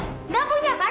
nggak punya kan